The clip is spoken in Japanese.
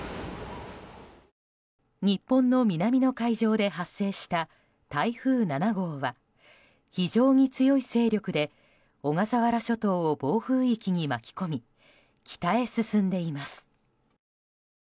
日本の南の海上で発生した台風７号は非常に強い勢力で小笠原諸島を暴風域に巻き込み北へ進んでいます。